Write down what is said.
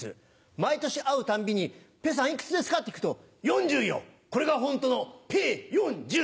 毎年会うたんびに「ペーさんいくつですか？」って聞くと「４０よこれがホントのペー・ヨンジュン」。